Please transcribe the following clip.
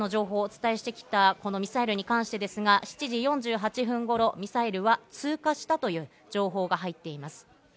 避難の情報をお伝えしてきた、このミサイルに関してですが、７時４８分頃、ミサイルは通過したという情報が入っています。